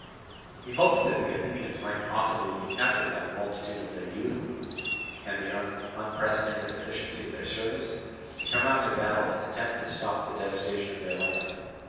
He hoped that the Athenians might possibly be tempted by the multitude of their youth and the unprecedented efficiency of their service to come out to battle and attempt to stop the devastation of their lands.